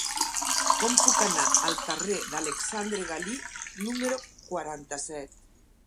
Com puc anar al carrer d'Alexandre Galí número quaranta-set?